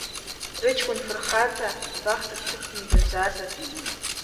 Рыҷкәын фырхаҵа абахҭа дҭыҵны дырзаазар.